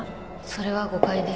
それは誤解です。